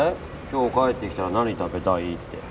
今日帰ってきたら何食べたい？って。